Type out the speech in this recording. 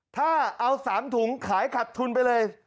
ถ้าเอา๓ถุงขายขัดทุนไปเลย